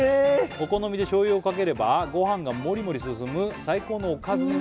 お好みで醤油をかければごはんがモリモリ進む最高のおかずになります